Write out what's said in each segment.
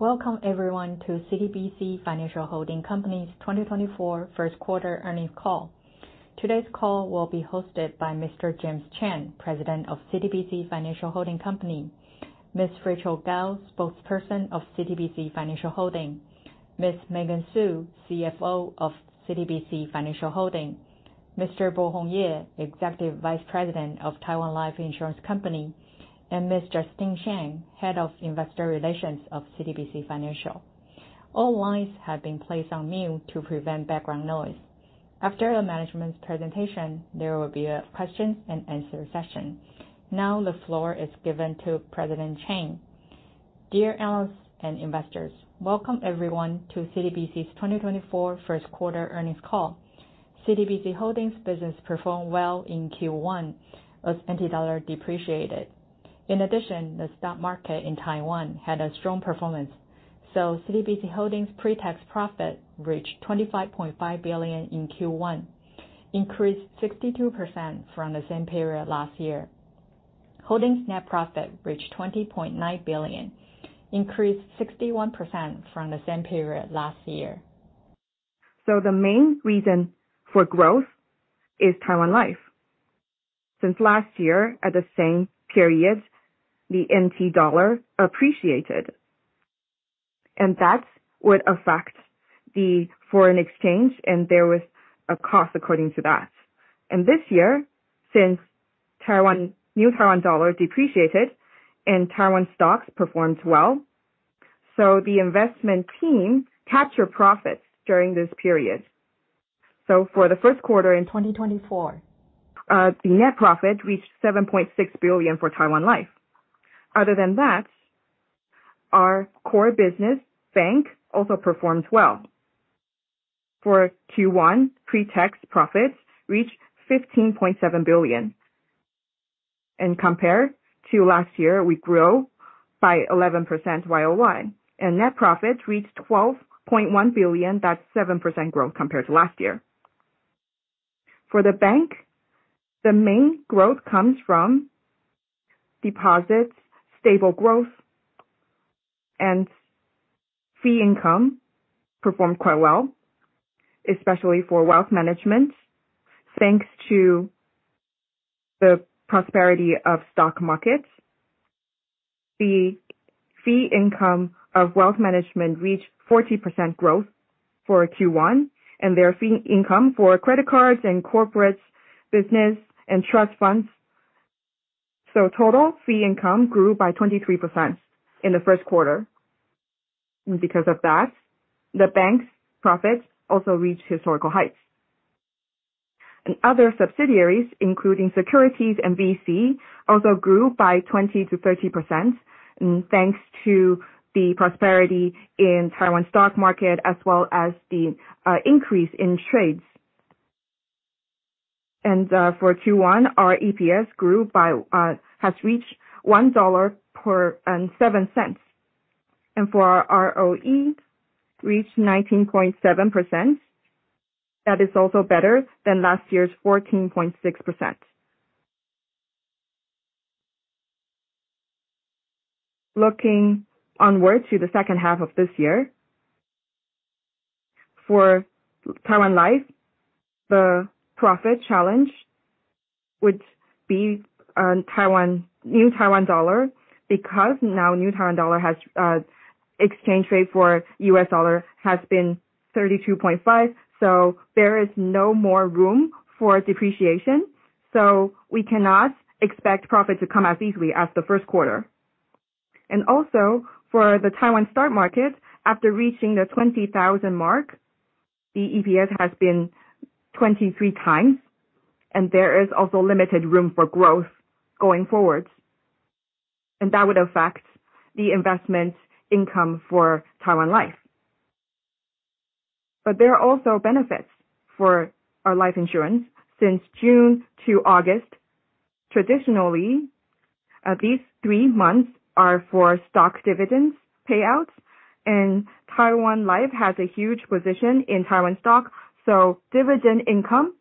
Welcome everyone to CTBC Financial Holding Company's 2024 first quarter earnings call. Today's call will be hosted by Mr. James Chen, President of CTBC Financial Holding Company, Ms. Rachael Kao, Spokesperson of CTBC Financial Holding, Ms. Megan Hsu, CFO of CTBC Financial Holding, Mr. Pai-Hung Yeh, Executive Vice President of Taiwan Life Insurance Company, and Ms. Justine Shen, Head of Investor Relations of CTBC Financial Holding. All lines have been placed on mute to prevent background noise. After the management's presentation, there will be a question and answer session. The floor is given to President Chen. Dear analysts and investors, welcome everyone to CTBC's 2024 first quarter earnings call. CTBC Holding's business performed well in Q1 as NT dollar depreciated. In addition, the stock market in Taiwan had a strong performance. CTBC Holding's pre-tax profit reached 25.5 billion in Q1, increased 62% from the same period last year. Holding's net profit reached 20.9 billion, increased 61% from the same period last year. The main reason for growth is Taiwan Life. Since last year, at the same period, the NT dollar appreciated, and that would affect the foreign exchange, and there was a cost according to that. This year, since New Taiwan dollar depreciated and Taiwan stocks performed well, the investment team captured profits during this period. For the first quarter in 2024, the net profit reached 7.6 billion for Taiwan Life. Other than that, our core business, Bank, also performed well. For Q1, pre-tax profits reached 15.7 billion. Compared to last year, we grew by 11% Y-O-Y, and net profits reached 12.1 billion. That's 7% growth compared to last year. For the Bank, the main growth comes from deposits, stable growth, and fee income performed quite well, especially for wealth management. Thanks to the prosperity of stock markets, the fee income of wealth management reached 14% growth for Q1, and their fee income for credit cards and corporates, business, and trust funds. Total fee income grew by 23% in the first quarter. Because of that, the Bank's profits also reached historical heights. Other subsidiaries, including Securities and VC, also grew by 20%-30% thanks to the prosperity in Taiwan stock market as well as the increase in trades. For Q1, our EPS has reached 1.7 dollar. For our ROE, reached 19.7%. That is also better than last year's 14.6%. Looking onward to the second half of this year, for Taiwan Life, the profit challenge would be New Taiwan dollar, because New Taiwan dollar exchange rate for US dollar has been 32.5, there is no more room for depreciation. We cannot expect profit to come as easily as the first quarter. For the Taiwan Stock market, after reaching the 20,000 mark, the EPS has been 23 times, there is also limited room for growth going forward. That would affect the investment income for Taiwan Life. There are also benefits for our life insurance since June to August. Traditionally, these three months are for stock dividends payouts, and Taiwan Life has a huge position in Taiwan Stock, dividend income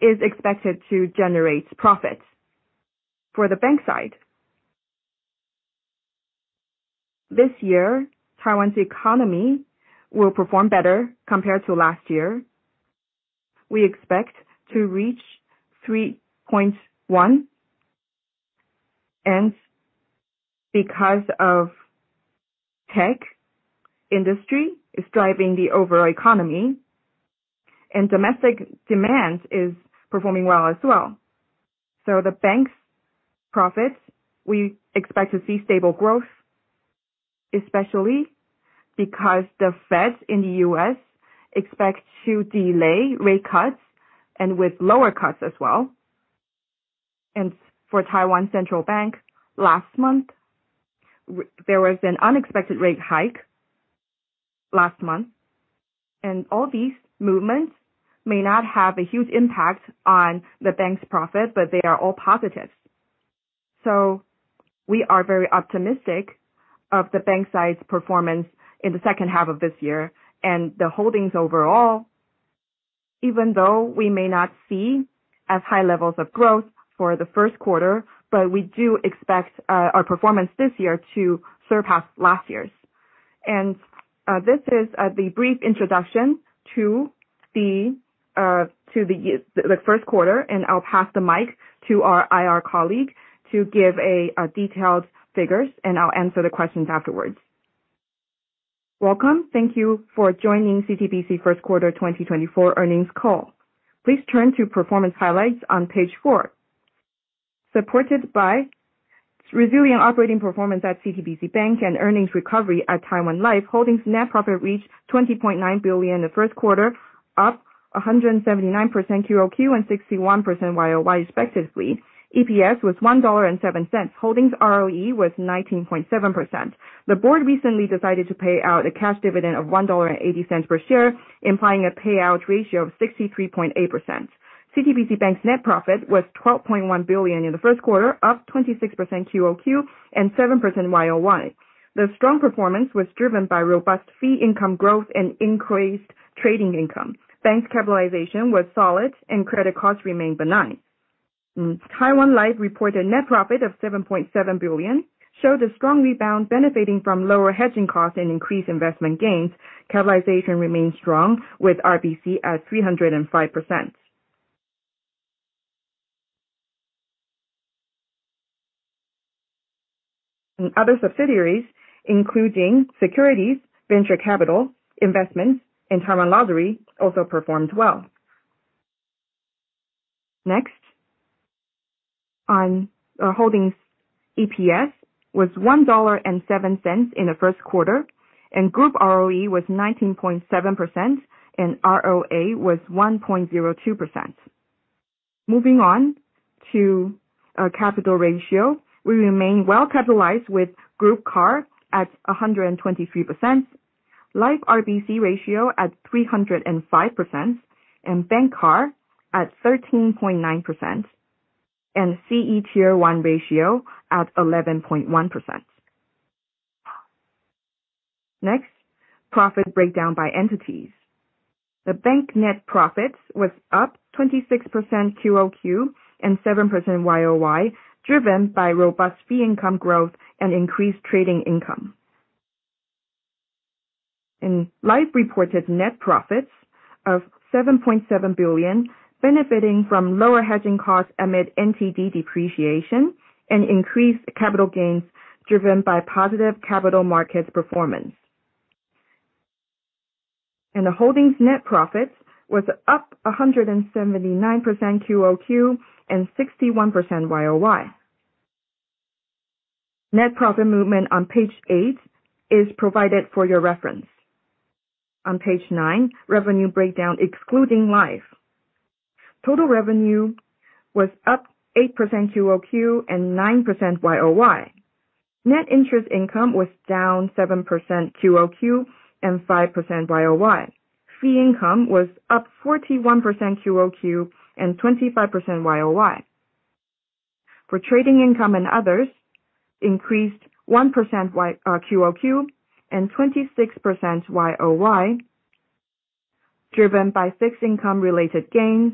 is expected to generate profits. The Bank side, this year, Taiwan's economy will perform better compared to last year. We expect to reach 3.1%. Because of tech industry is driving the overall economy and domestic demand is performing well as well. The Bank's profits, we expect to see stable growth, especially because the Fed in the U.S. expect to delay rate cuts and with lower cuts as well. For Taiwan Central Bank, there was an unexpected rate hike last month. All these movements may not have a huge impact on the Bank's profit, but they are all positive. We are very optimistic of the Bank side's performance in the second half of this year. The Holdings overall Even though we may not see as high levels of growth for the first quarter, but we do expect our performance this year to surpass last year's. This is the brief introduction to the first quarter, and I'll pass the mic to our IR colleague to give a detailed figures, and I'll answer the questions afterwards. Welcome. Thank you for joining CTBC first quarter 2024 earnings call. Please turn to performance highlights on page four. Supported by resilient operating performance at CTBC Bank and earnings recovery at Taiwan Life, Holdings' net profit reached 20.9 billion in the first quarter, up 179% QOQ and 61% YOY respectively. EPS was 1.70 dollar. Holdings ROE was 19.7%. The board recently decided to pay out a cash dividend of 1.80 dollar per share, implying a payout ratio of 63.8%. CTBC Bank's net profit was 12.1 billion in the first quarter, up 26% QOQ and 7% YOY. The strong performance was driven by robust fee income growth and increased trading income. Bank's capitalization was solid and credit costs remained benign. Taiwan Life reported net profit of 7.7 billion, showed a strongly rebounded, benefiting from lower hedging costs and increased investment gains. Capitalization remains strong, with RBC at 305%. Other subsidiaries, including CTBC Securities, venture capital, investments, and Taiwan Lottery, also performed well. Holdings EPS was 1.7 dollar in the first quarter, group ROE was 19.7%, ROA was 1.02%. Moving on to capital ratio, we remain well-capitalized with group CAR at 123%, Life RBC ratio at 305%, Bank CAR at 13.9%, CET1 ratio at 11.1%. Profit breakdown by entities. The Bank net profits was up 26% QOQ and 7% YOY, driven by robust fee income growth and increased trading income. Life reported net profits of 7.7 billion, benefiting from lower hedging costs amid TWD depreciation and increased capital gains driven by positive capital markets performance. The Holdings net profits was up 179% QOQ and 61% YOY. Net profit movement on page eight is provided for your reference. On page nine, revenue breakdown excluding Life. Total revenue was up 8% QOQ and 9% YOY. Net interest income was down 7% QOQ and 5% YOY. Fee income was up 41% QOQ and 25% YOY. Trading income and others, increased 1% QOQ and 26% YOY, driven by fixed income related gains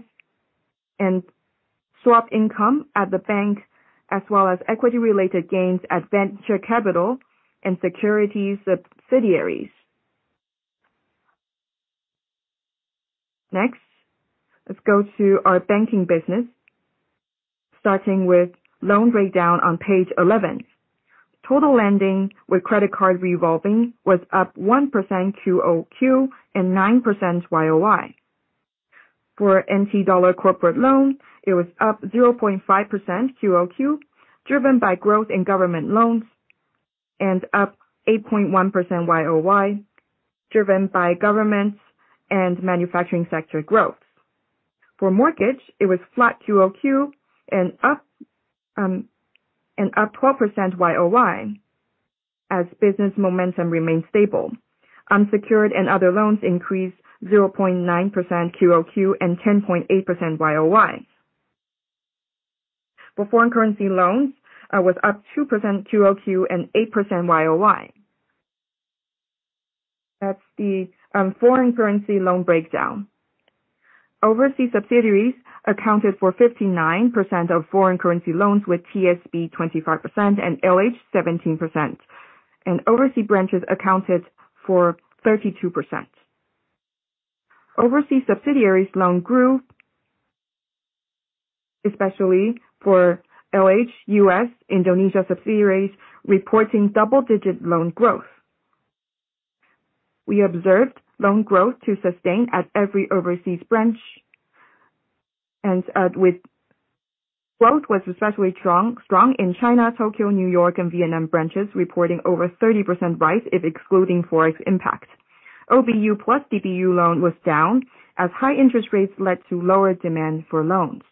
and swap income at the bank, as well as equity-related gains at venture capital and securities subsidiaries. Let's go to our banking business, starting with loan breakdown on page 11. Total lending with credit card revolving was up 1% QOQ and 9% YOY. NTD corporate loan, it was up 0.5% QOQ, driven by growth in government loans, and up 8.1% YOY, driven by governments and manufacturing sector growth. Mortgage, it was flat QOQ and up 12% YOY as business momentum remained stable. Unsecured and other loans increased 0.9% QOQ and 10.8% YOY. Foreign currency loans, was up 2% QOQ and 8% YOY. That's the foreign currency loan breakdown. Overseas subsidiaries accounted for 59% of foreign currency loans, with TSB 25% and LH 17%. Overseas branches accounted for 32%. Overseas subsidiaries loan grew, especially for LH, U.S., Indonesia subsidiaries, reporting double-digit loan growth. We observed loan growth to sustain at every overseas branch, growth was especially strong in China, Tokyo, New York, and Vietnam branches, reporting over 30% rise if excluding FX impact. OBU plus DBU loan was down as high interest rates led to lower demand for loans.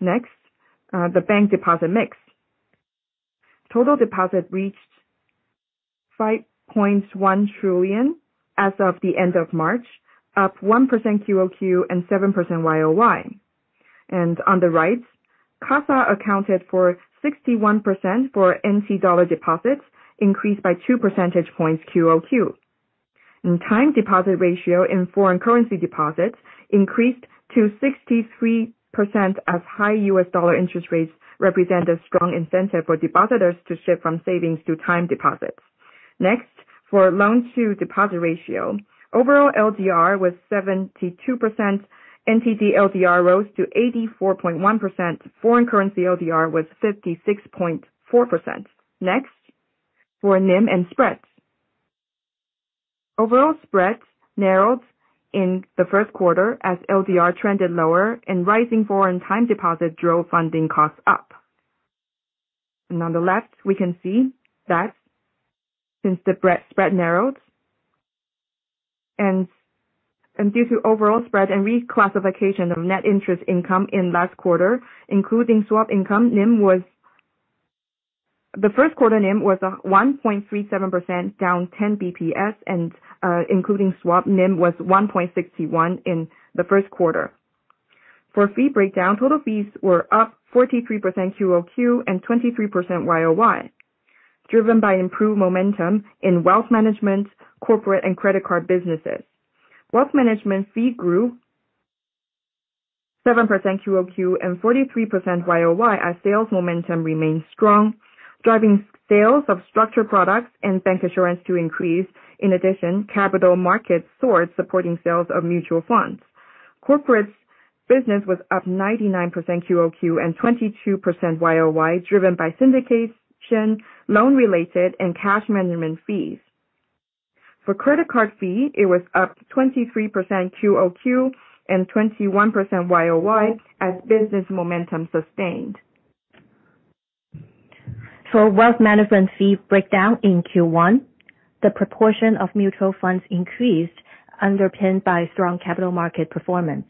The bank deposit mix. Total deposit reached 5.1 trillion as of the end of March, up 1% QOQ and 7% YOY. On the right, CASA accounted for 61% for NTD deposits, increased by two percentage points QOQ. Time deposit ratio in foreign currency deposits increased to 63%, as high U.S. dollar interest rates represent a strong incentive for depositors to shift from savings to time deposits. Loan-to-deposit ratio, overall LDR was 72%, NTD LDR rose to 84.1%, foreign currency LDR was 56.4%. NIM and spreads. Overall spreads narrowed in the first quarter as LDR trended lower and rising foreign time deposits drove funding costs up. On the left, we can see that since the spread narrowed, due to overall spread and reclassification of net interest income in last quarter, including swap income, the first quarter NIM was 1.37%, down 10 BPS, and including swap NIM was 1.61 in the first quarter. Fee breakdown, total fees were up 43% QOQ and 23% YOY, driven by improved momentum in wealth management, corporate, and credit card businesses. Wealth management fee grew 7% QOQ and 43% YOY as sales momentum remained strong, driving sales of structured products and bank assurance to increase. In addition, capital markets soared, supporting sales of mutual funds. Corporate business was up 99% QOQ and 22% YOY, driven by syndication, loan-related, and cash management fees. Credit card fee, it was up 23% QOQ and 21% YOY as business momentum sustained. Wealth management fee breakdown in Q1, the proportion of mutual funds increased, underpinned by strong capital market performance.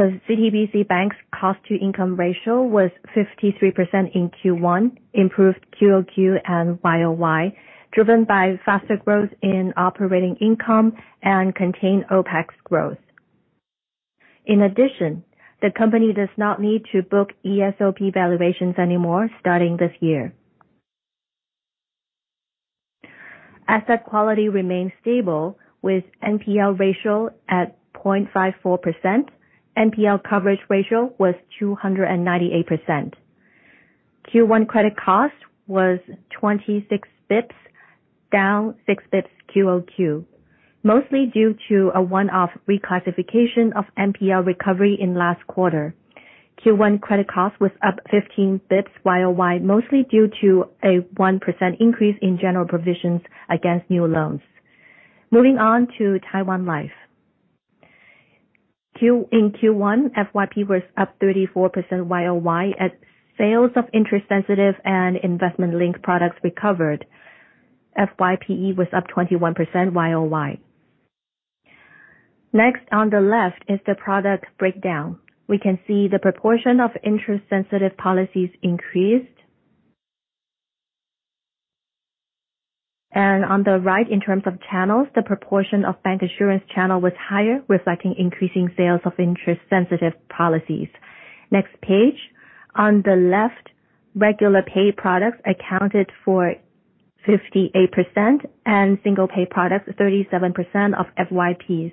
The CTBC Bank's cost-to-income ratio was 53% in Q1, improved QOQ and YOY, driven by faster growth in operating income and contained OpEx growth. In addition, the company does not need to book ESOP valuations anymore starting this year. Asset quality remained stable, with NPL ratio at 0.54%. NPL coverage ratio was 298%. Q1 credit cost was 26 basis points, down 6 basis points QOQ, mostly due to a one-off reclassification of NPL recovery in last quarter. Q1 credit cost was up 15 basis points YOY, mostly due to a 1% increase in General Provisions against new loans. Moving on to Taiwan Life. In Q1, FYP was up 34% YOY as sales of interest-sensitive and investment-linked products recovered. FYPE was up 21% YOY. On the left is the product breakdown. We can see the proportion of interest-sensitive policies increased. On the right, in terms of channels, the proportion of bank assurance channel was higher, reflecting increasing sales of interest-sensitive policies. Next page. On the left, regular pay products accounted for 58% and single pay products 37% of FYPs.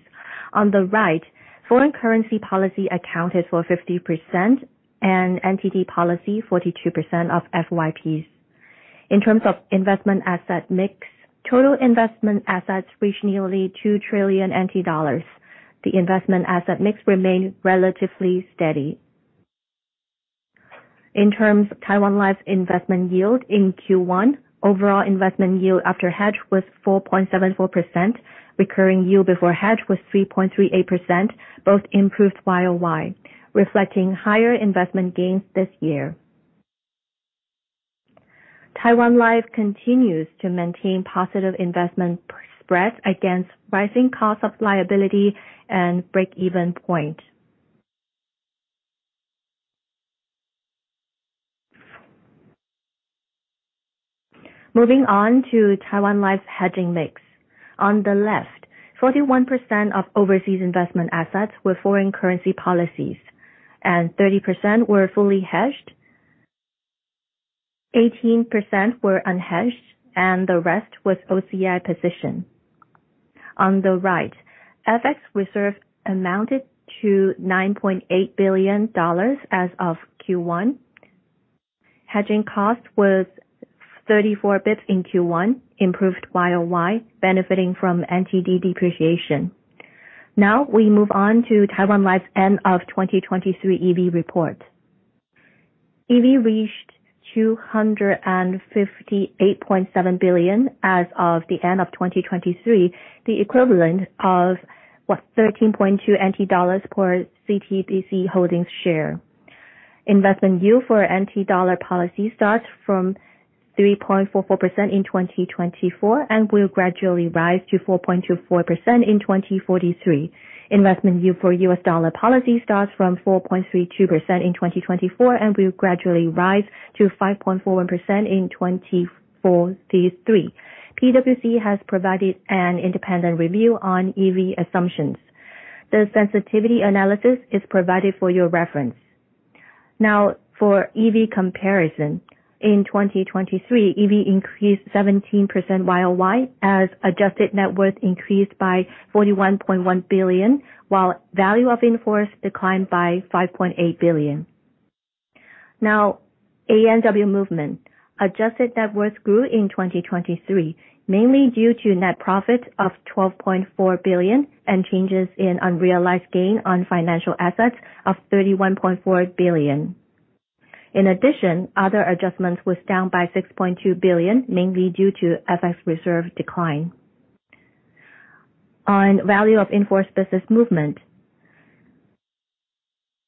On the right, foreign currency policy accounted for 50% and TWD policy 42% of FYPs. In terms of investment asset mix, total investment assets reached nearly 2 trillion NT dollars. The investment asset mix remained relatively steady. In terms of Taiwan Life investment yield in Q1, overall investment yield after hedge was 4.74%, recurring yield before hedge was 3.38%, both improved YOY, reflecting higher investment gains this year. Taiwan Life continues to maintain positive investment spreads against rising cost of liability and break-even point. Moving on to Taiwan Life's hedging mix. On the left, 41% of overseas investment assets were foreign currency policies and 30% were fully hedged, 18% were unhedged, and the rest was OCI position. On the right, FX reserve amounted to 9.8 billion dollars as of Q1. Hedging cost was 34 basis points in Q1, improved YOY, benefiting from TWD depreciation. We move on to Taiwan Life's end of 2023 EV report. EV reached 258.7 billion as of the end of 2023, the equivalent of 13.2 NT dollars per CTBC Holding share. Investment yield for TWD policy starts from 3.44% in 2024 and will gradually rise to 4.24% in 2043. Investment yield for US dollar policy starts from 4.32% in 2024 and will gradually rise to 5.41% in 2043. PwC has provided an independent review on EV assumptions. The sensitivity analysis is provided for your reference. For EV comparison. In 2023, EV increased 17% YOY as adjusted net worth increased by 41.1 billion, while Value of Inforce declined by 5.8 billion. ANW movement. Adjusted net worth grew in 2023, mainly due to net profit of TWD 12.4 billion and changes in unrealized gain on financial assets of TWD 31.4 billion. Other adjustments was down by TWD 6.2 billion, mainly due to FX reserve decline. On Value of Inforce Business movement,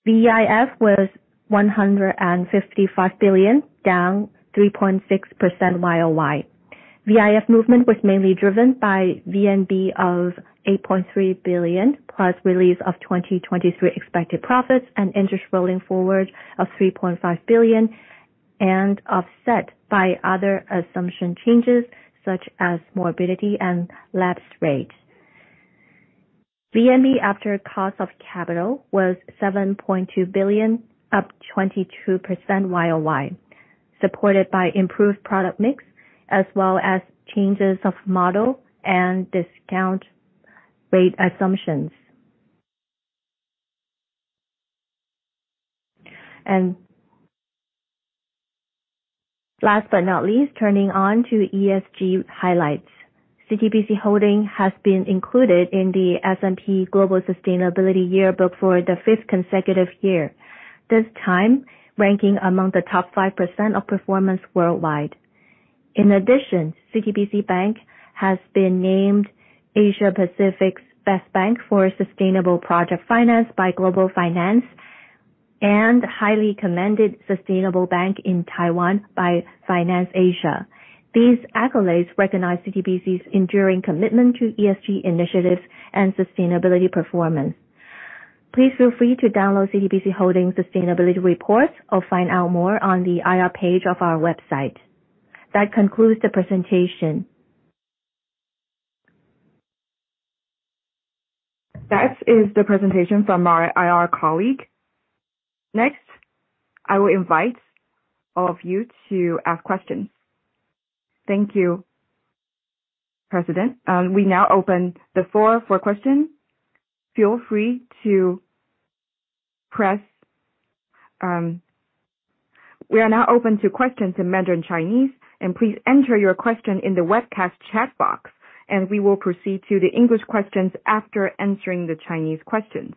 VIF was 155 billion, down 3.6% YOY. VIF movement was mainly driven by VNB of 8.3 billion, plus release of 2023 expected profits and interest rolling forward of 3.5 billion, offset by other assumption changes such as morbidity and lapse rate. VNB after cost of capital was 7.2 billion, up 22% YOY, supported by improved product mix, as well as changes of model and discount rate assumptions. Last but not least, turning on to ESG highlights. CTBC Holding has been included in the S&P Global Sustainability Yearbook for the fifth consecutive year, this time ranking among the top 5% of performance worldwide. In addition, CTBC Bank has been named Asia Pacific's Best Bank for Sustainable Project Finance by Global Finance and highly commended Sustainable Bank in Taiwan by FinanceAsia. These accolades recognize CTBC's enduring commitment to ESG initiatives and sustainability performance. Please feel free to download CTBC Holding sustainability reports or find out more on the IR page of our website. That concludes the presentation. That is the presentation from our IR colleague. Next, I will invite all of you to ask questions. Thank you, President. We are now open to questions in Mandarin Chinese, please enter your question in the webcast chat box, and we will proceed to the English questions after answering the Chinese questions.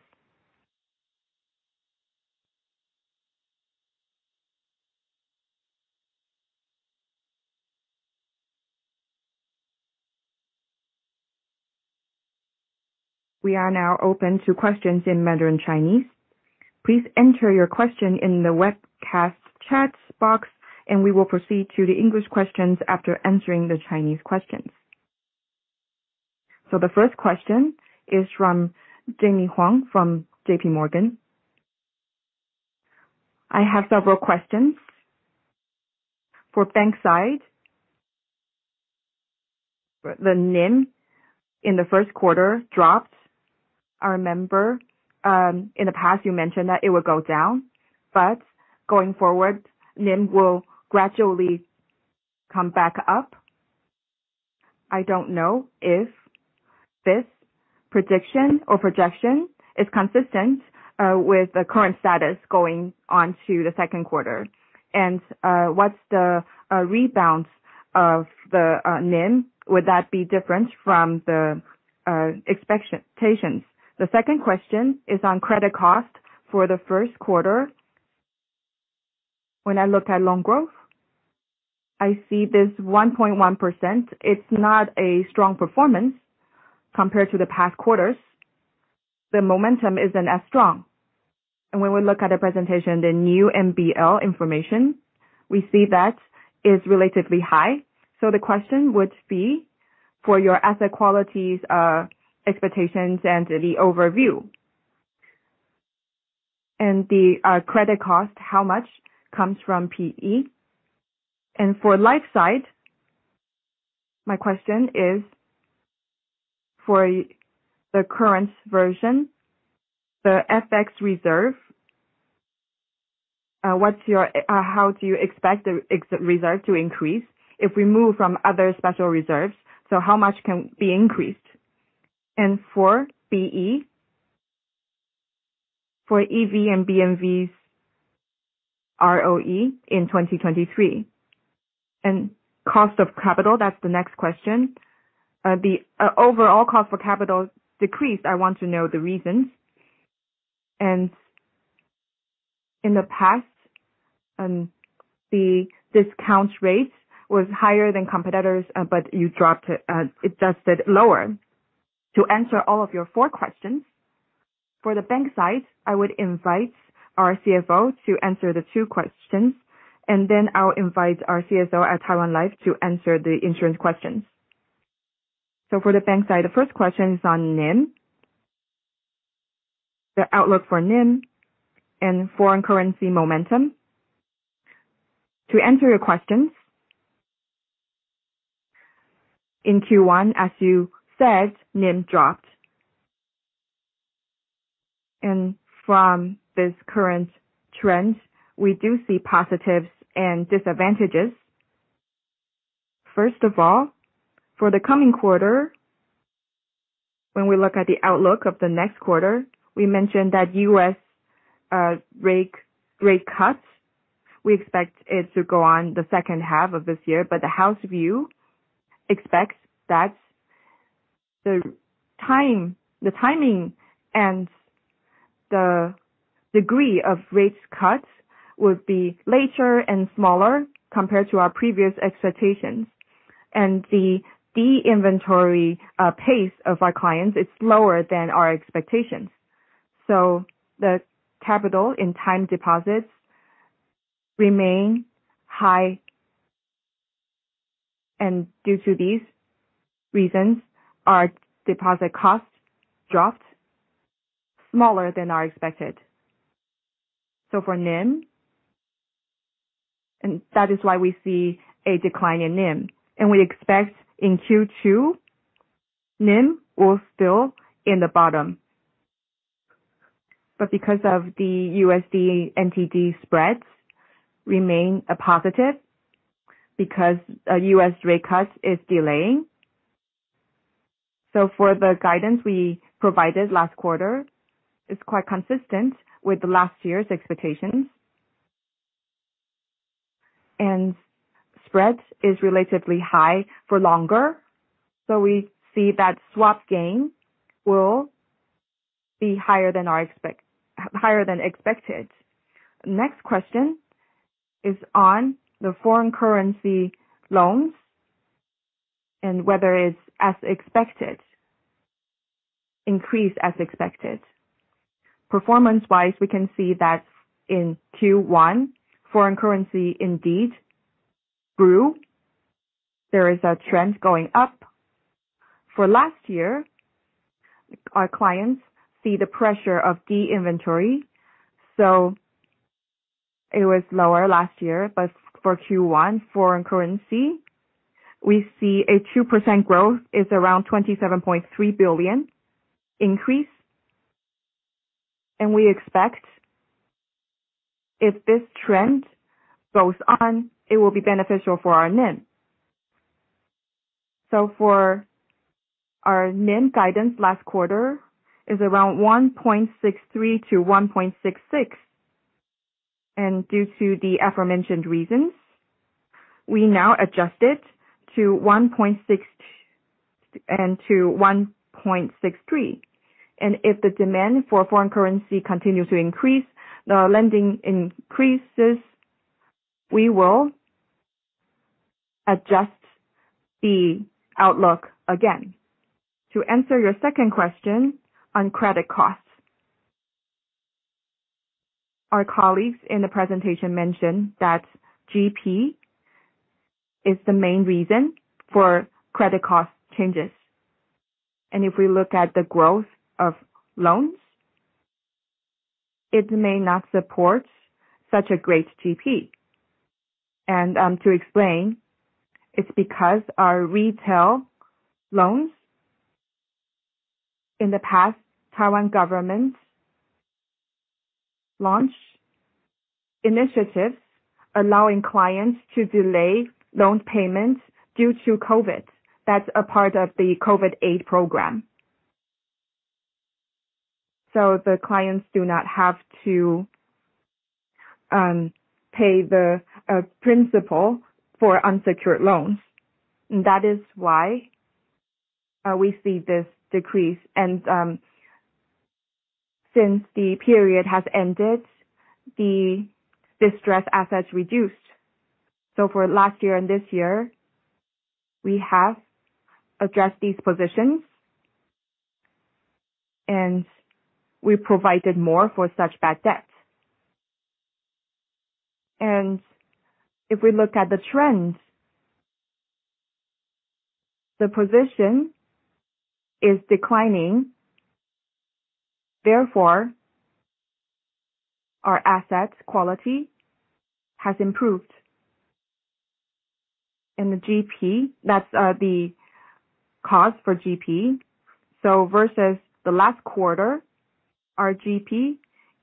We are now open to questions in Mandarin Chinese. Please enter your question in the webcast chat box, and we will proceed to the English questions after answering the Chinese questions. The first question is from Jaime Huang from JPMorgan. I have several questions. For bank side, the NIM in the first quarter dropped. I remember, in the past, you mentioned that it would go down, going forward, NIM will gradually come back up. I don't know if this prediction or projection is consistent with the current status going on to the second quarter. What's the rebound of the NIM? Would that be different from the expectations? The second question is on credit cost for the first quarter. When I look at loan growth, I see this 1.1%. It's not a strong performance compared to the past quarters. The momentum isn't as strong. When we look at the presentation, the new NPL information, we see that is relatively high. The question would be for your asset quality's expectations and the overview. The credit cost, how much comes from PE? For life side, my question is, for the current version, the FX reserve, how do you expect the FX reserve to increase if we move from other special reserves? How much can be increased? For BE, for EV and BMV's ROE in 2023. Cost of capital, that's the next question. The overall cost for capital decreased. I want to know the reasons. In the past, the discount rate was higher than competitors, you dropped it, adjusted lower. To answer all of your four questions, for the bank side, I would invite our CFO to answer the two questions, then I'll invite our CFO at Taiwan Life to answer the insurance questions. For the bank side, the first question is on NIM The outlook for NIM and foreign currency momentum. To answer your questions, in Q1, as you said, NIM dropped. From this current trend, we do see positives and disadvantages. First of all, for the coming quarter, when we look at the outlook of the next quarter, we mentioned that U.S. rate cuts, we expect it to go on the second half of this year. The house view expects that the timing and the degree of rates cuts will be later and smaller compared to our previous expectations. The de-inventory pace of our clients is slower than our expectations. The capital in time deposits remain high. Due to these reasons, our deposit costs dropped smaller than expected. For NIM, that is why we see a decline in NIM. We expect in Q2, NIM will still in the bottom. Because of the USD, NTD spreads remain a positive because a U.S. rate cut is delaying. For the guidance we provided last quarter, it's quite consistent with the last year's expectations. Spreads is relatively high for longer. We see that swap gain will be higher than expected. Next question is on the foreign currency loans and whether increased as expected. Performance-wise, we can see that in Q1, foreign currency indeed grew. There is a trend going up. For last year, our clients see the pressure of de-inventory, so it was lower last year. For Q1 foreign currency, we see a 2% growth is around 27.3 billion increase. We expect if this trend goes on, it will be beneficial for our NIM. For our NIM guidance last quarter is around 1.63%-1.66%. Due to the aforementioned reasons, we now adjust it to 1.63%. If the demand for foreign currency continues to increase, the lending increases, we will adjust the outlook again. To answer your second question on credit costs. Our colleagues in the presentation mentioned that GP is the main reason for credit cost changes. If we look at the growth of loans, it may not support such a great GP. To explain, it's because our retail loans in the past, Taiwan government launched initiatives allowing clients to delay loan payments due to COVID. That's a part of the COVID aid program. The clients do not have to pay the principal for unsecured loans. That is why we see this decrease. Since the period has ended, the distressed assets reduced. For last year and this year, we have addressed these positions and we provided more for such bad debts. If we look at the trends, the position is declining, therefore our assets quality has improved. The GP, that's the cause for GP. Versus the last quarter, our GP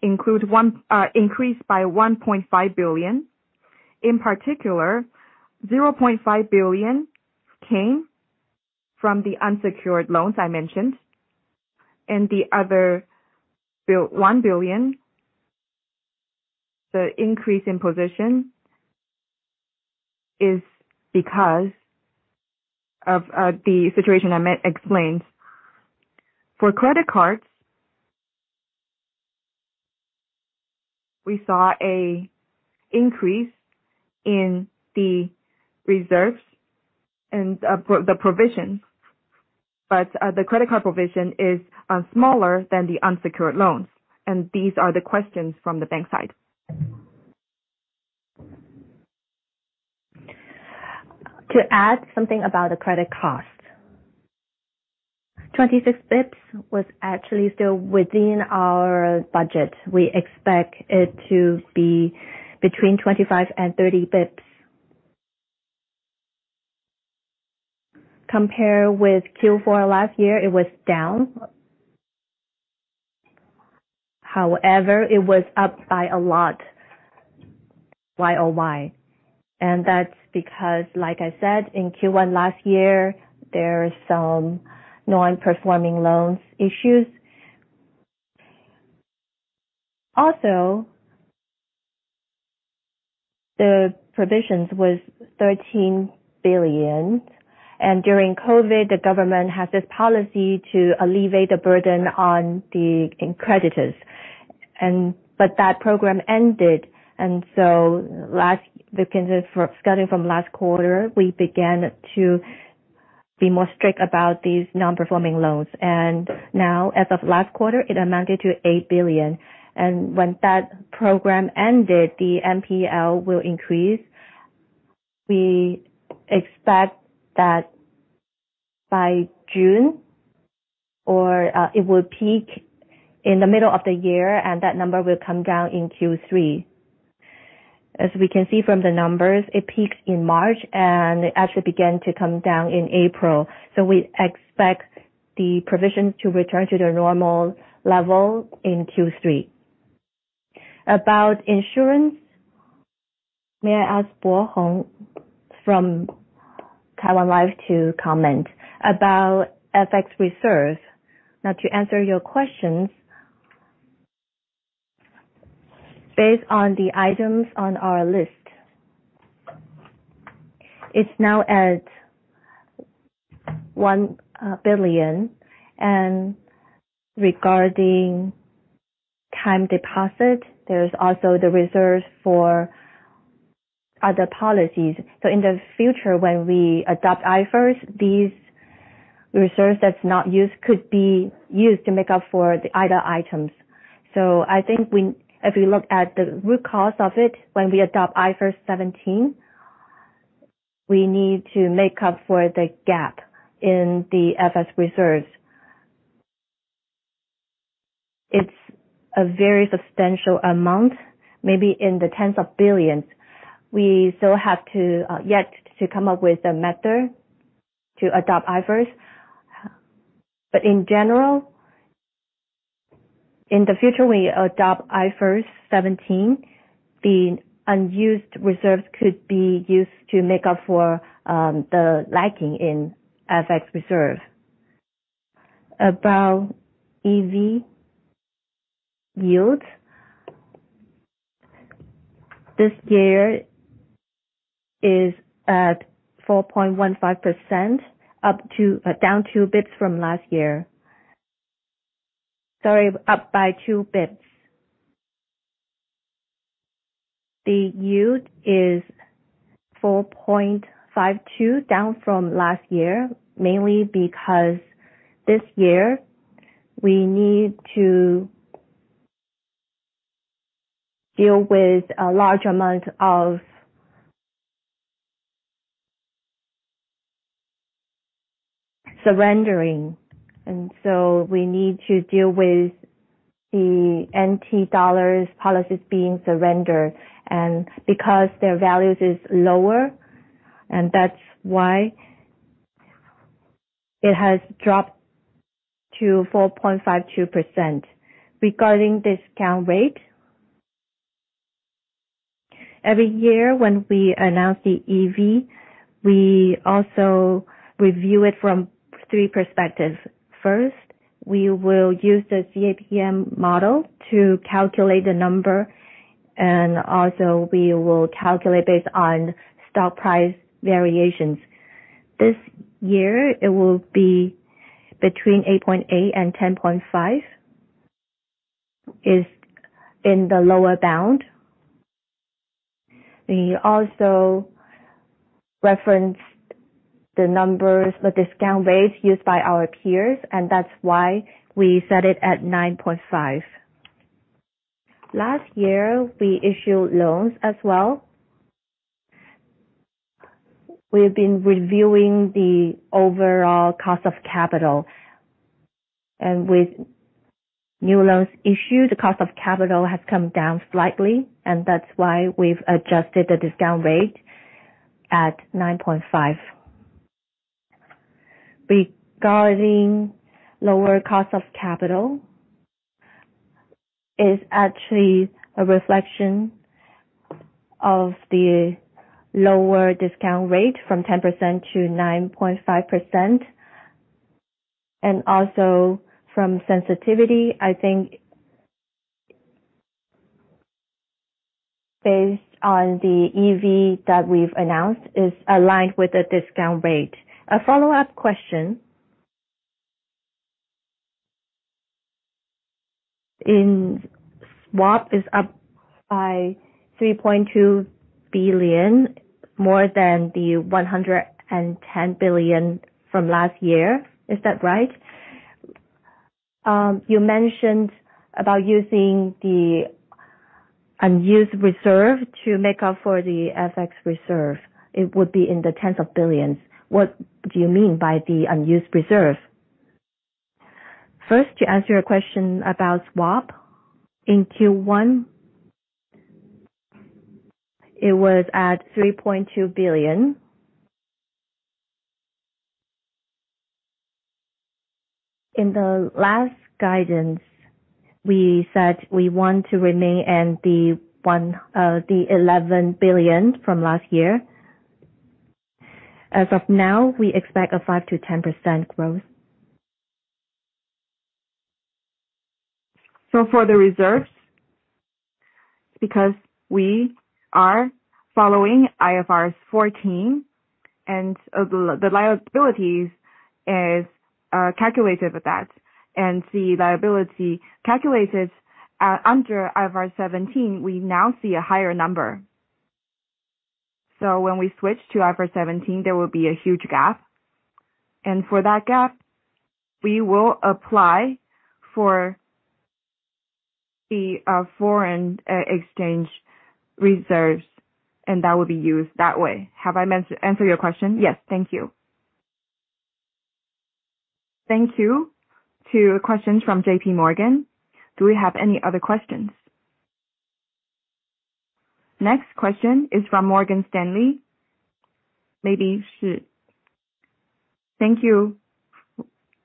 increased by 1.5 billion. In particular, 0.5 billion came from the unsecured loans I mentioned. The other 1 billion, the increase in position is because of the situation I explained. For credit cards, we saw an increase in the reserves and the provision. The credit card provision is smaller than the unsecured loans. These are the questions from the bank side. To add something about the credit cost. 26 bps was actually still within our budget. We expect it to be between 25-30 bps. Compare with Q4 last year, it was down. However, it was up by a lot YOY. That's because, like I said, in Q1 last year, there were some NPL issues. Also, the provisions was 13 billion, and during COVID, the government had this policy to alleviate the burden on the creditors. But that program ended, so we can starting from last quarter, we began to be more strict about these NPLs. Now, as of last quarter, it amounted to 8 billion. When that program ended, the NPL will increase. We expect that by June, or it will peak in the middle of the year, and that number will come down in Q3. As we can see from the numbers, it peaked in March, and it actually began to come down in April, so we expect the provisions to return to their normal level in Q3. About insurance, may I ask Bohong from Taiwan Life to comment. About FX reserves. To answer your questions, based on the items on our list, it's now at TWD 1 billion. Regarding time deposit, there's also the reserve for other policies. In the future, when we adopt IFRS, these reserves that's not used could be used to make up for the other items. I think if we look at the root cause of it, when we adopt IFRS 17, we need to make up for the gap in the FX reserve. It's a very substantial amount, maybe in the TWD tens of billions. We still have to yet to come up with a method to adopt IFRS. In general, in the future, we adopt IFRS 17, the unused reserves could be used to make up for the lacking in FX reserve. About EV yields, this year is at 4.15%, down two bps from last year. Sorry, up by two bps. The yield is 4.52%, down from last year, mainly because this year we need to deal with a large amount of surrendering, and so we need to deal with the TWD policies being surrendered, and because their values is lower, and that's why it has dropped to 4.52%. Regarding discount rate, every year when we announce the EV, we also review it from three perspectives. First, we will use the CAPM model to calculate the number. Also we will calculate based on stock price variations. This year it will be between 8.8% and 10.5%, is in the lower bound. We also referenced the numbers, the discount rates used by our peers. That's why we set it at 9.5%. Last year, we issued loans as well. We've been reviewing the overall cost of capital. With new loans issued, the cost of capital has come down slightly. That's why we've adjusted the discount rate at 9.5%. Regarding lower cost of capital, is actually a reflection of the lower discount rate from 10%-9.5%. Also from sensitivity, I think based on the EV that we've announced, is aligned with the discount rate. A follow-up question. In swap is up by 3.2 billion, more than the 110 billion from last year. Is that right? You mentioned about using the unused reserve to make up for the FX reserve. It would be in the TWD tens of billions. What do you mean by the unused reserve? First, to answer your question about swap. In Q1, it was at TWD 3.2 billion. In the last guidance, we said we want to remain in the 11 billion from last year. As of now, we expect a 5%-10% growth. For the reserves, because we are following IFRS 4, and the liabilities are calculated with that, and the liability is calculated under IFRS 17, we now see a higher number. When we switch to IFRS 17, there will be a huge gap, and for that gap, we will apply for the foreign exchange reserves, and that will be used that way. Have I answered your question? Yes. Thank you. Thank you to questions from JP Morgan. Do we have any other questions? Next question is from Morgan Stanley. Maybe Shi. Thank you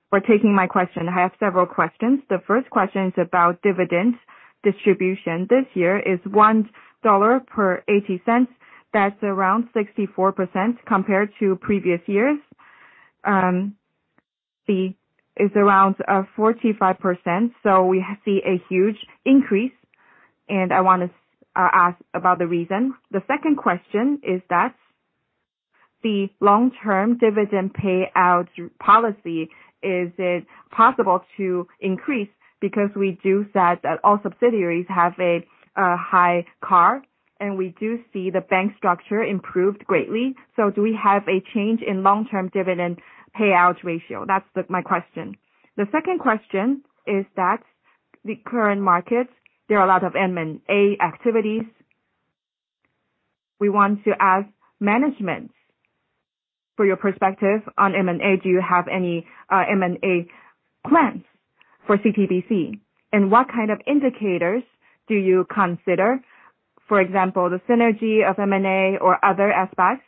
for taking my question. I have several questions. The first question is about dividend distribution. This year is 1 dollar per 0.80. That is around 64% compared to previous years, is around 45%. We see a huge increase, and I want to ask about the reason. The second question is that the long-term dividend payout policy, is it possible to increase? We do that at all subsidiaries have a high CAR, and we do see the bank structure improved greatly. Do we have a change in long-term dividend payout ratio? That is my question. The second question is that in the current market, there are a lot of M&A activities. We want to ask management for your perspective on M&A. Do you have any M&A plans for CTBC? What kind of indicators do you consider, for example, the synergy of M&A or other aspects?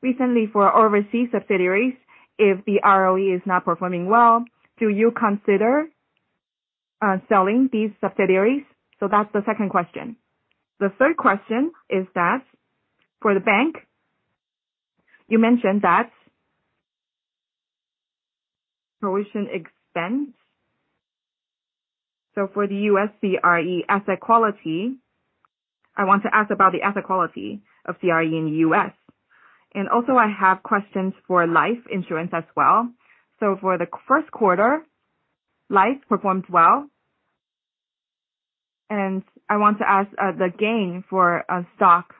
Recently for overseas subsidiaries, if the ROE is not performing well, do you consider selling these subsidiaries? That is the second question. The third question is that for the bank, you mentioned the provision expense. For the US CRE asset quality, I want to ask about the asset quality of CRE in the U.S. I also have questions for life insurance as well. For the first quarter, life performed well, and I want to ask the gain for stock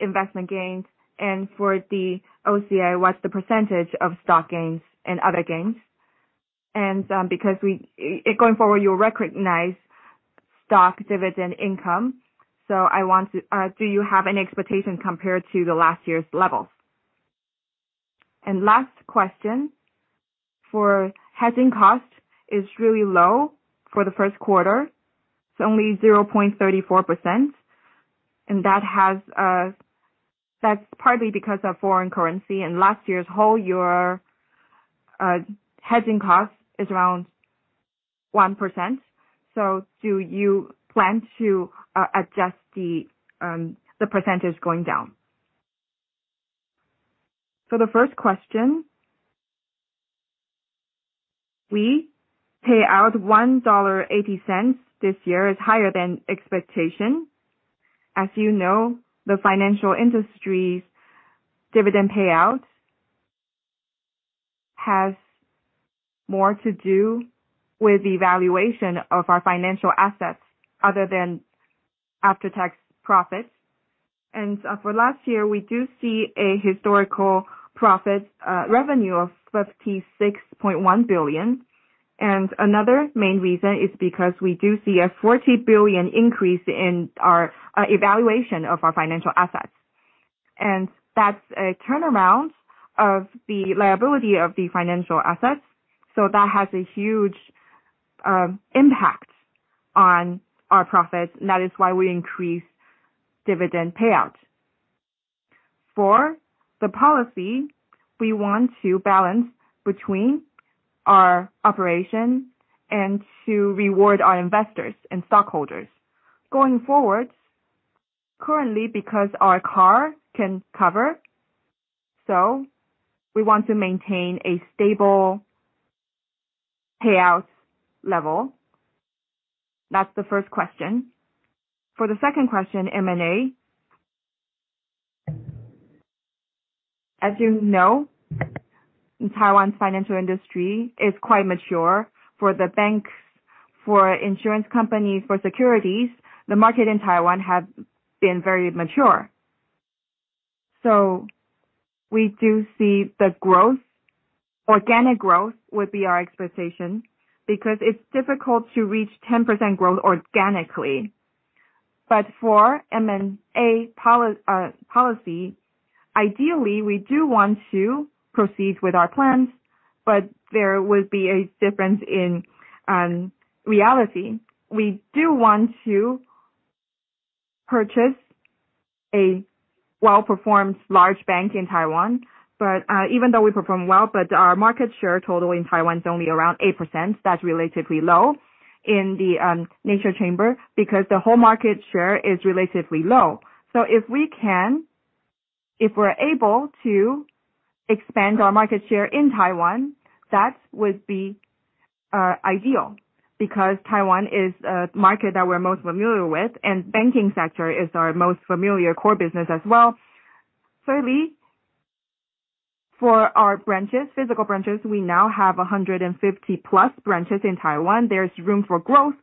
investment gains and for the OCI, what is the percentage of stock gains and other gains? Because going forward, you will recognize stock dividend income. Do you have any expectation compared to the last year's levels? Last question, for hedging cost is really low for the first quarter. It is only 0.34%, and that is partly because of foreign currency. In last year's whole year, hedging cost was around 1%. Do you plan to adjust the percentage going down? The first question, we pay out 1.80 dollar this year is higher than expectation. As you know, the financial industry's dividend payout has more to do with the valuation of our financial assets other than after-tax profits. For last year, we do see a historical profit revenue of 56.1 billion. Another main reason is because we do see a 40 billion increase in our evaluation of our financial assets. That is a turnaround of the liability of the financial assets. That has a huge impact on our profits, and that is why we increase dividend payout. For the policy, we want to balance between our operation and to reward our investors and stockholders. Going forward, currently, because our CAR can cover, we want to maintain a stable payout level. That's the first question. The second question, M&A. As you know, Taiwan's financial industry is quite mature. The banks, insurance companies, securities, the market in Taiwan has been very mature. We do see the growth. Organic growth would be our expectation because it's difficult to reach 10% growth organically. For M&A policy, ideally, we do want to proceed with our plans, but there would be a difference in reality. We do want to purchase a well-performed large bank in Taiwan. Even though we perform well, but our market share total in Taiwan is only around 8%. That's relatively low in the nature chamber because the whole market share is relatively low. If we're able to expand our market share in Taiwan, that would be ideal because Taiwan is a market that we're most familiar with, and banking sector is our most familiar core business as well. Thirdly, our branches, physical branches, we now have 150 plus branches in Taiwan. There's room for growth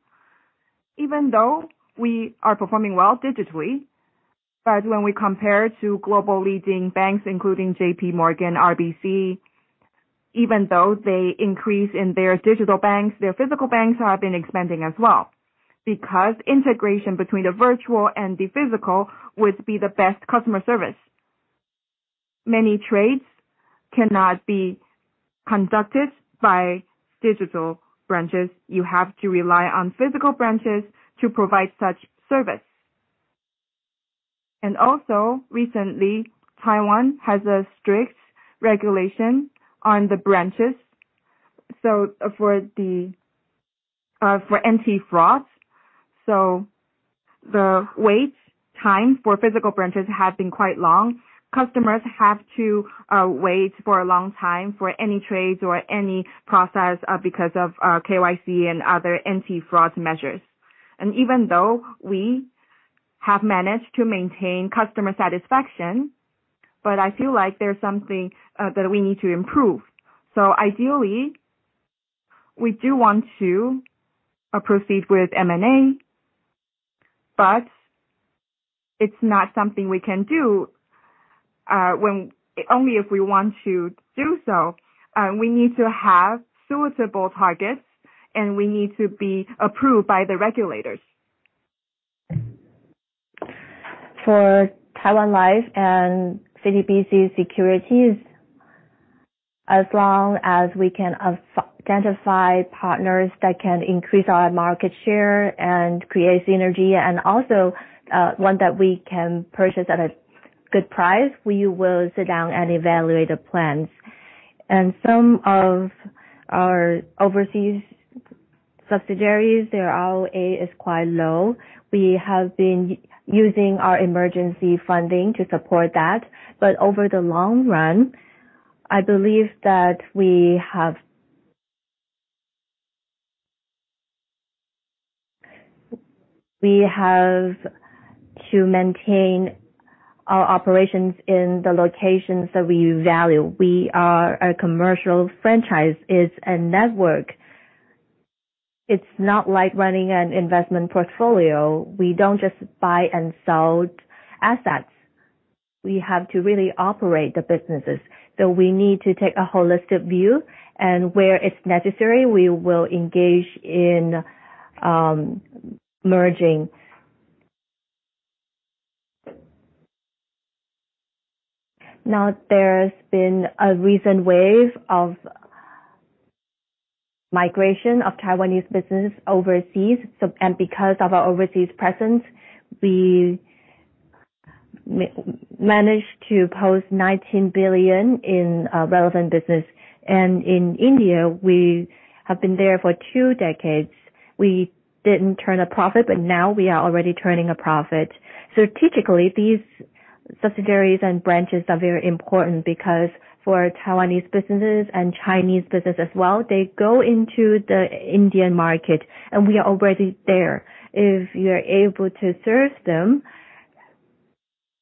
even though we are performing well digitally. When we compare to global leading banks, including JPMorgan, RBC, even though they increase in their digital banks, their physical banks have been expanding as well. Because integration between the virtual and the physical would be the best customer service. Many trades cannot be conducted by digital branches. You have to rely on physical branches to provide such service. Recently, Taiwan has a strict regulation on the branches, so for anti-fraud. The wait time for physical branches has been quite long. Customers have to wait for a long time for any trades or any process because of KYC and other anti-fraud measures. Even though we have managed to maintain customer satisfaction, but I feel like there's something that we need to improve. Ideally, we do want to proceed with M&A, but it's not something we can do only if we want to do so. We need to have suitable targets, and we need to be approved by the regulators. Taiwan Life and CTBC Securities, as long as we can identify partners that can increase our market share and create synergy and also one that we can purchase at a good price, we will sit down and evaluate the plans. Some of our overseas subsidiaries, their ROA is quite low. We have been using our emergency funding to support that. Over the long run, I believe that we have to maintain our operations in the locations that we value. We are a commercial franchise. It's a network. It's not like running an investment portfolio. We don't just buy and sell assets. We have to really operate the businesses. We need to take a holistic view, and where it's necessary, we will engage in merging. There's been a recent wave of migration of Taiwanese businesses overseas. Because of our overseas presence, we managed to post 19 billion in relevant business. In India, we have been there for two decades. We didn't turn a profit, but now we are already turning a profit. Strategically, these subsidiaries and branches are very important because for Taiwanese businesses and Chinese business as well, they go into the Indian market, and we are already there. If we are able to service them,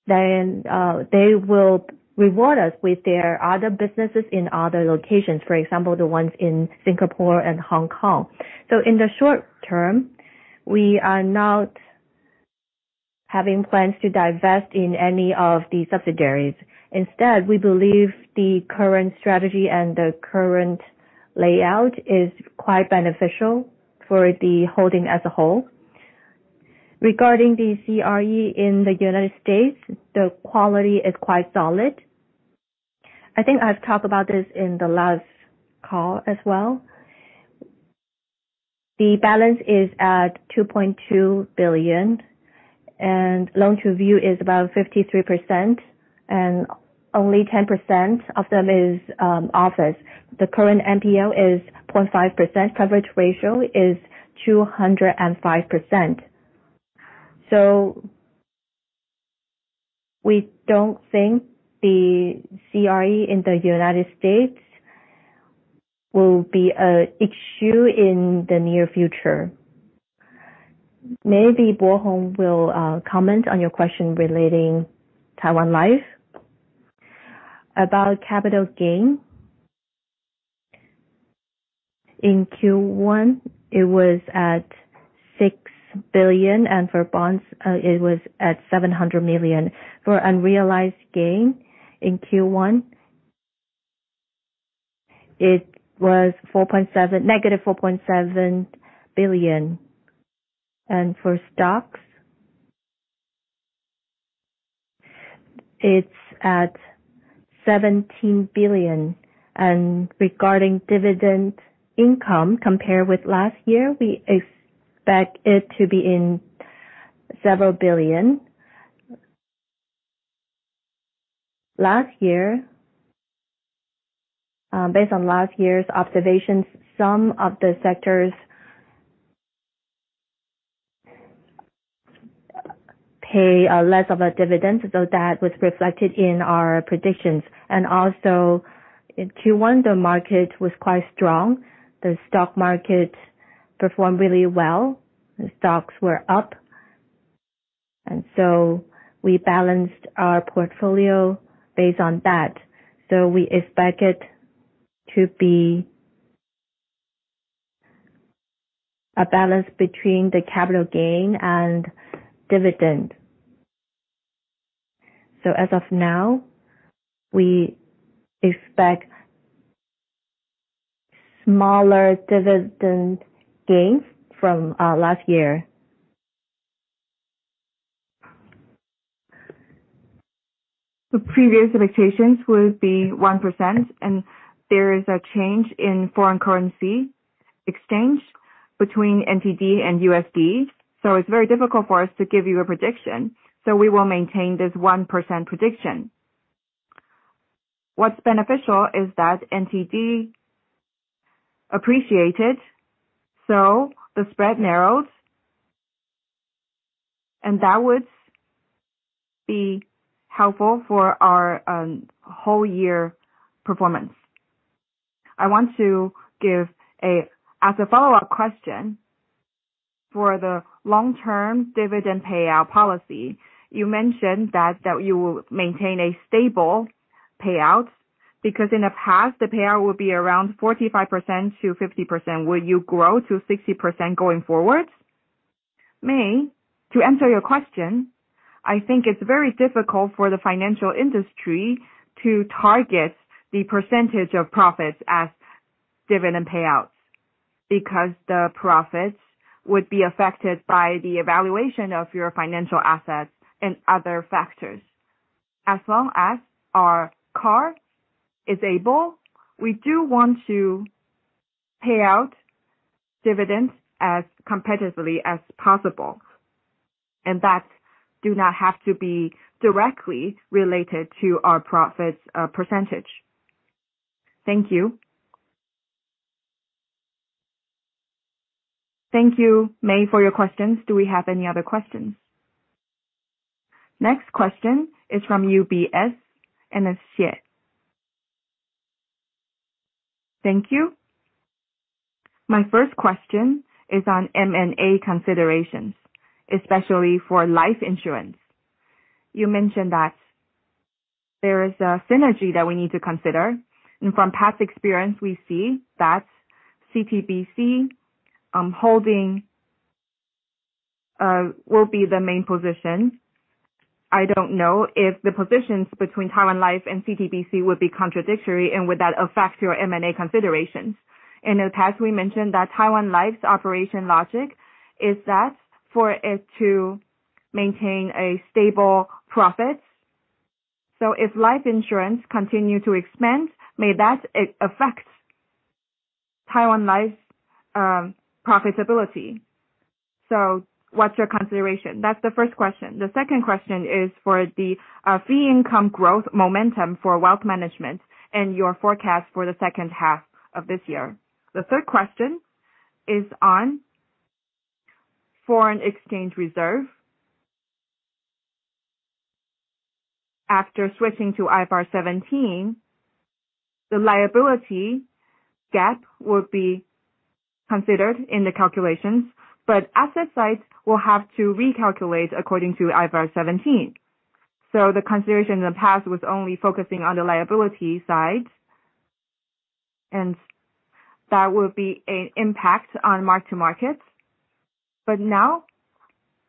then they will reward us with their other businesses in other locations, for example, the ones in Singapore and Hong Kong. In the short term, we are not having plans to divest in any of the subsidiaries. Instead, we believe the current strategy and the current layout is quite beneficial for the Holding as a whole. Regarding the CRE in the U.S., the quality is quite solid. I think I've talked about this in the last call as well. The balance is at 2.2 billion, and loan-to-value is about 53%, and only 10% of them is office. The current NPL is 0.5%. Coverage ratio is 205%. We don't think the CRE in the U.S. will be an issue in the near future. Maybe Bohong will comment on your question relating Taiwan Life. About capital gain in Q1, it was at 6 billion, and for bonds, it was at 700 million. For unrealized gain in Q1, it was negative 4.7 billion. For stocks, it's at 17 billion. Regarding dividend income, compared with last year, we expect it to be in several TWD billion. Based on last year's observations, some of the sectors pay less of a dividend, so that was reflected in our predictions. In Q1, the market was quite strong. The stock market performed really well. The stocks were up. We balanced our portfolio based on that. We expect it to be a balance between the capital gain and dividend. As of now, we expect smaller dividend gains from last year. The previous expectations would be 1%. There is a change in foreign currency exchange between TWD and USD. It's very difficult for us to give you a prediction. We will maintain this 1% prediction. What's beneficial is that TWD appreciated. The spread narrows, that would be helpful for our whole year performance. As a follow-up question, for the long-term dividend payout policy, you mentioned that you will maintain a stable payout because in the past, the payout would be around 45%-50%. Will you grow to 60% going forward? May, to answer your question, I think it's very difficult for the financial industry to target the percentage of profits as dividend payouts, because the profits would be affected by the evaluation of your financial assets and other factors. As long as our CAR is able, we do want to pay out dividends as competitively as possible, and that do not have to be directly related to our profits percentage. Thank you. Thank you, May, for your questions. Do we have any other questions? Next question is from UBS, and it's Xie. Thank you. My first question is on M&A considerations, especially for life insurance. You mentioned that there is a synergy that we need to consider, and from past experience, we see that CTBC Holding will be the main position. I don't know if the positions between Taiwan Life and CTBC would be contradictory and would that affect your M&A considerations. In the past, we mentioned that Taiwan Life's operation logic is that for it to maintain a stable profit. If life insurance continue to expand, may that affect Taiwan Life's profitability? What's your consideration? That's the first question. The second question is for the fee income growth momentum for wealth management and your forecast for the second half of this year. The third question is on FX reserve. After switching to IFRS 17, the liability gap will be considered in the calculations, but asset sides will have to recalculate according to IFRS 17. The consideration in the past was only focusing on the liability side, and that will be an impact on mark-to-market. Now,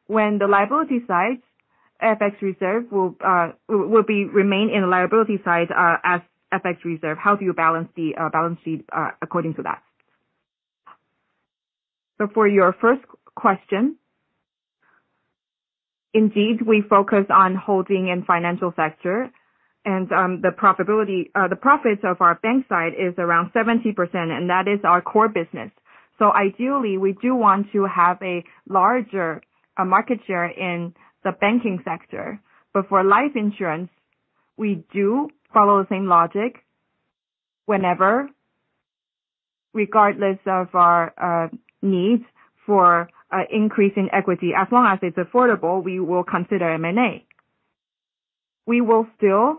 when the liability side FX reserve will remain in the liability side as FX reserve, how do you balance the balance sheet according to that? For your first question, indeed, we focus on holding in financial sector, and the profits of our bank side is around 70%, and that is our core business. Ideally, we do want to have a larger market share in the banking sector. For life insurance, we do follow the same logic whenever, regardless of our needs for increase in equity. As long as it is affordable, we will consider M&A. We will still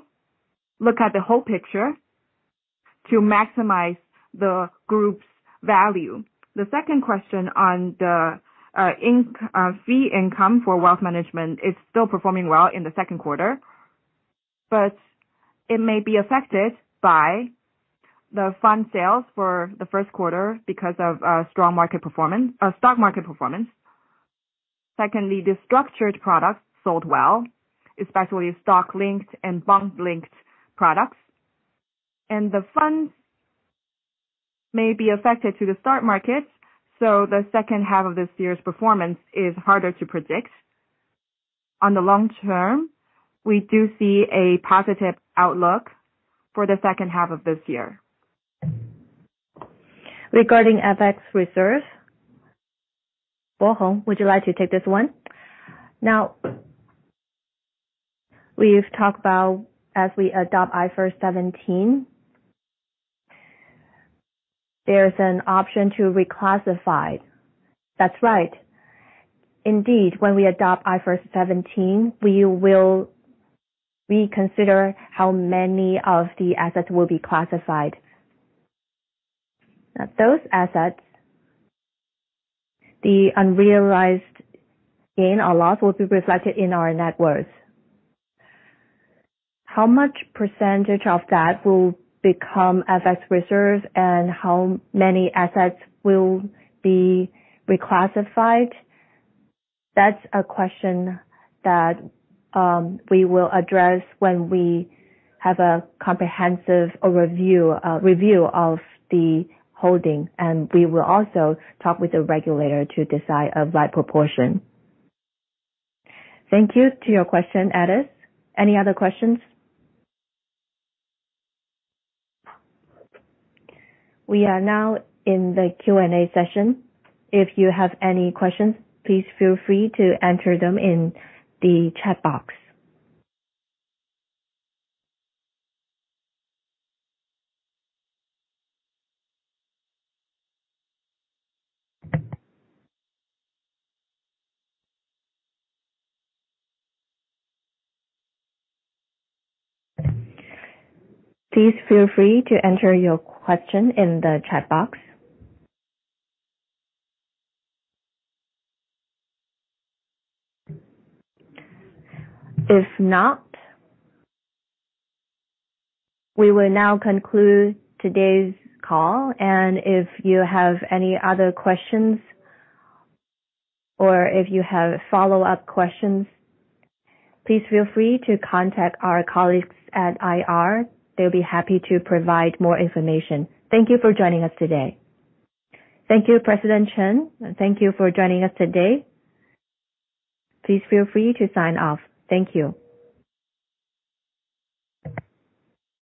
look at the whole picture to maximize the group's value. The second question on the fee income for wealth management, it is still performing well in the second quarter. It may be affected by the fund sales for the first quarter because of stock market performance. Secondly, the structured products sold well, especially stock-linked and bond-linked products. The funds may be affected through the stock markets, the second half of this year's performance is harder to predict. On the long term, we do see a positive outlook for the second half of this year. Regarding FX reserve, Bohong, would you like to take this one? Now, we have talked about as we adopt IFRS 17, there is an option to reclassify. That is right. Indeed, when we adopt IFRS 17, we will reconsider how many of the assets will be classified. Those assets, the unrealized gain or loss will be reflected in our net worth. How much percentage of that will become FX reserve and how many assets will be reclassified? That's a question that we will address when we have a comprehensive review of the holding, and we will also talk with the regulator to decide a right proportion. Thank you to your question, Edis. Any other questions? We are now in the Q&A session. If you have any questions, please feel free to enter them in the chat box. Please feel free to enter your question in the chat box. If not, we will now conclude today's call, and if you have any other questions or if you have follow-up questions, please feel free to contact our colleagues at IR. They'll be happy to provide more information. Thank you for joining us today. Thank you, President Chen. Thank you for joining us today. Please feel free to sign off. Thank you.